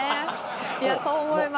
いやそう思います。